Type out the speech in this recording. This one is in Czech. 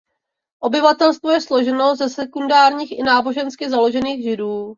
Obyvatelstvo je složeno ze sekulárních i nábožensky založených Židů.